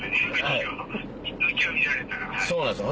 そうなんです